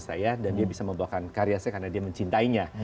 saya dan dia bisa membawakan karya saya karena dia mencintainya